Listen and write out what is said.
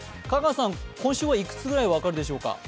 香川さん、今週はいくつぐらい分かるでしょうか？